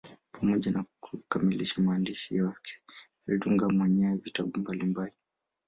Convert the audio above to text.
Pamoja na kukamilisha maandishi yake, alitunga mwenyewe vitabu mbalimbali.